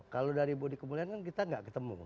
kalau dari budi kemulyaan kan kita tidak ketemu